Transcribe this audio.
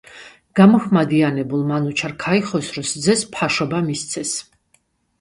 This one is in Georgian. გამაჰმადიანებულ მანუჩარ ქაიხოსროს ძეს ფაშობა მისცეს.